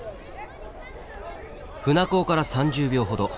舟坑から３０秒ほど。